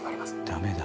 ダメだ。